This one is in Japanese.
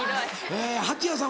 え蜂谷さん